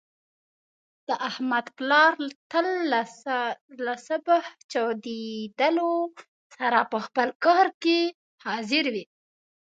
د احمد پلار تل له صبح چودېدلو سره په خپل کار کې حاضر وي.